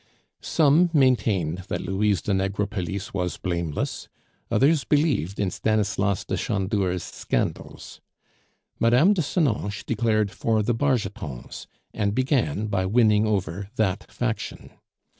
Some maintained that Louise de Negrepelisse was blameless, others believed in Stanislas de Chandour's scandals. Mme. de Senonches declared for the Bargetons, and began by winning over that faction.